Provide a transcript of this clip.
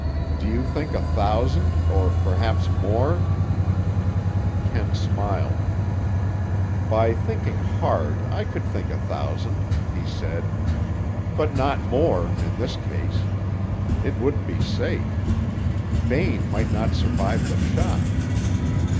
"Do you think a thousand—or perhaps more—" Kent smiled. "By thinking hard I could think a thousand," he said. "But not more, in this case. It wouldn't be safe. Bain might not survive the shock.